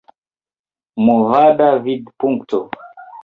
Movada Vidpunkto